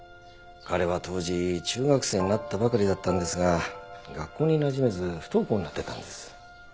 彼は当時中学生になったばかりだったんですが学校になじめず不登校になってたんです。